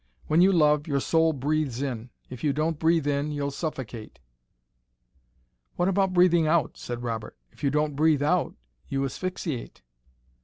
When you love, your soul breathes in. If you don't breathe in, you suffocate." "What about breathing out?" said Robert. "If you don't breathe out, you asphyxiate."